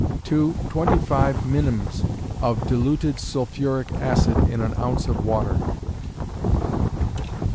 2. Twenty five minims of diluted sulphuric acid in an ounce of water.